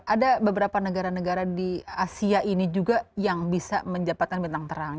ada beberapa negara negara di asia ini juga yang bisa menjabatkan bintang terang